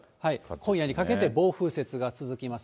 今夜にかけて暴風雪が続きます。